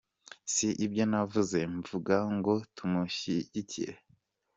Si ibyo navuze, mvuga ngo tumushyigikire?".